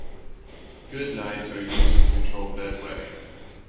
GoodNites are used to control bedwetting.